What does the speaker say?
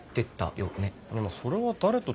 いやまぁそれは誰と。